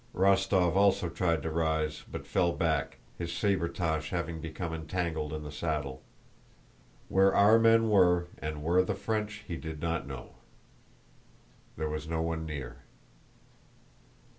Rostóv also tried to rise but fell back, his sabretache having become entangled in the saddle. Where our men were, and where the French, he did not know. There was no one near.